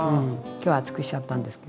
今日は厚くしちゃったんですけど。